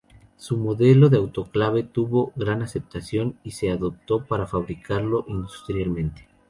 Su modelo de autoclave tuvo gran aceptación y se adoptó para fabricarlo industrialmente.